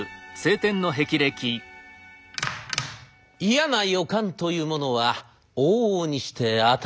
嫌な予感というものは往々にして当たるもの。